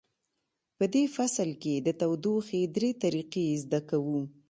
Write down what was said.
په دې فصل کې د تودوخې درې طریقې زده کوو.